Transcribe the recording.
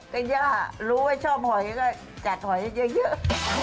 ก็ย่ารู้ว่าชอบหอยก็จัดหอยเยอะ